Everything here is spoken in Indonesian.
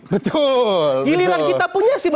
betul di liran kita punya sim